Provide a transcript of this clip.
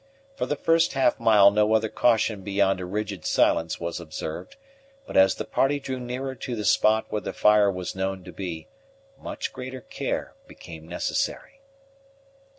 For the first half mile no other caution beyond a rigid silence was observed; but as the party drew nearer to the spot where the fire was known to be, much greater care became necessary.